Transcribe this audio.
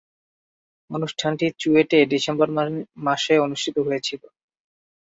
অনুষ্ঠানটি চুয়েটে ডিসেম্বর মাসে অনুষ্ঠিত হয়েছিলো।